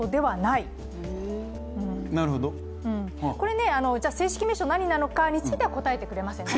これ、正式名称は何なのかについては答えてくれません。